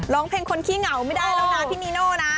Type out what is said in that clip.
ร้องเพลงคนขี้เหงาไม่ได้แล้วนะพี่นีโน่นะ